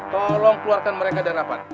tolong keluarkan mereka dari abad